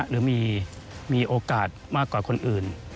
หรือมีโอกาสมากกว่าคนอื่น